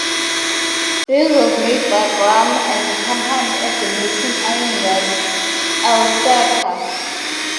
This was made by Graham and Company at the Milton Iron Works, Elsecar.